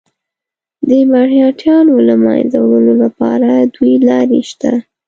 د مرهټیانو له منځه وړلو لپاره دوې لارې شته.